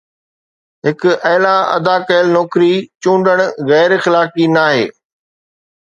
هڪ اعلي ادا ڪيل نوڪري چونڊڻ غير اخلاقي ناهي